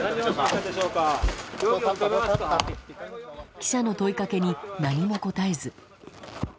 記者の問いかけに、何も答えず。